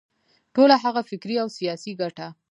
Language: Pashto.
ټوله هغه فکري او سیاسي ګټه.